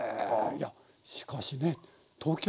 いやしかしね東京も。